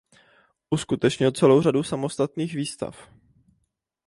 Uskutečnil celou řadu samostatných výstav.